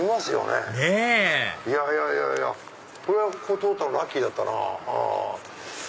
ねぇいやいやいやいやこれはここ通ったのラッキーだったな。